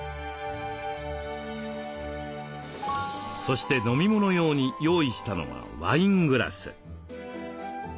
そして飲み物用に用意したのはワイングラス。